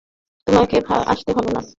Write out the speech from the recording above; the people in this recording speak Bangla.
তোমাকে আসতে হবে না।